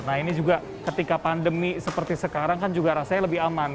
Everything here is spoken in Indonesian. nah ini juga ketika pandemi seperti sekarang kan juga rasanya lebih aman